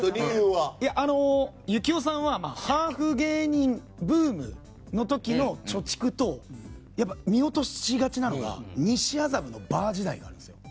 行雄さんはハーフ芸人ブームの時の貯蓄と見落としがちなのが西麻布のバー時代なんです。